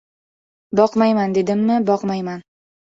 — Boqmayman dedimmi, boqmayman!